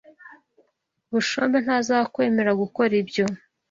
Bushombe ntazakwemerera gukora ibyo.